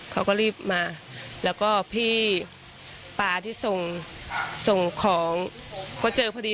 เขาก็รีบมาแล้วก็พี่ป๊าที่ส่งส่งของก็เจอพอดี